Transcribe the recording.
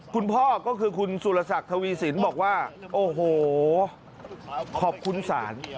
คุณพ่อก็คือคุณสุรศักดิ์ทวีสินบอกว่าโอ้โหขอบคุณศาล